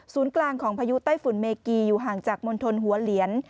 กลางของพายุไต้ฝุ่นเมกีอยู่ห่างจากมณฑลหัวเหลียน